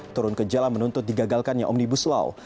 turun ke jalan menuntut digagalkannya omnibus law